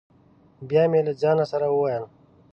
بیا مې له ځانه سره وویل: